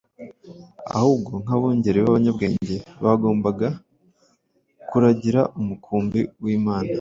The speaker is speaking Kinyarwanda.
ahubwo nk’abungeri b’abanyabwenge bagombaga “kuragira umukumbi w’Imana,